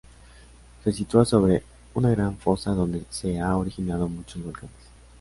Se sitúa sobre una gran fosa donde se ha originado muchos volcanes.